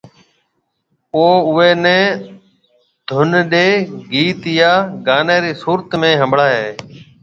او اوئيَ نيَ ڌُن ڏيَ گيت يا گانيَ رِي صورت ۾ ھنڀڙائيَ هيَ